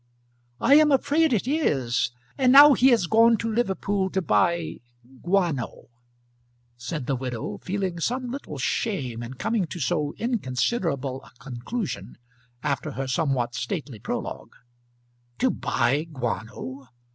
"I am afraid it is; and now he has gone to Liverpool to buy guano," said the widow, feeling some little shame in coming to so inconsiderable a conclusion after her somewhat stately prologue. "To buy guano!